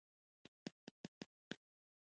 تعجب شاګرد ته وویل چې زه له پیریانو نه ډارېږم